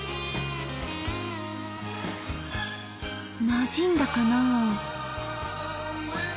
なじんだかな？